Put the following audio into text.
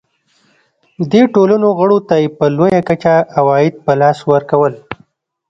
دې ټولنو غړو ته یې په لویه کچه عواید په لاس ورکول.